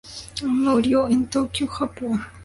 Murió en Tokio, Japón.